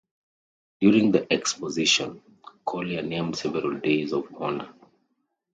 During the Exposition, Collier named several days of honor.